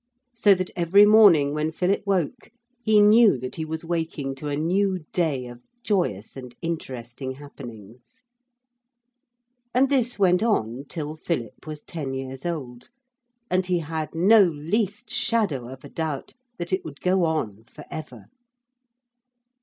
So that every morning when Philip woke he knew that he was waking to a new day of joyous and interesting happenings. And this went on till Philip was ten years old, and he had no least shadow of a doubt that it would go on for ever.